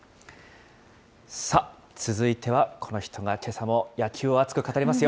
さあ、続いてはこの人がけさも野球を熱く語りますよ。